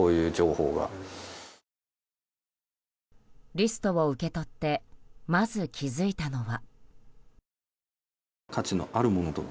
リストを受け取ってまず気づいたのは。